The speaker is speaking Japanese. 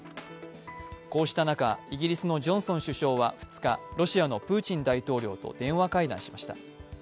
こうした中、イギリスのジョンソン首相は２日、ロシアのプーチン大統領と電話会談しました。